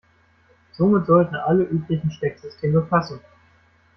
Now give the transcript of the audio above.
Somit sollten alle üblichen Stecksysteme passen.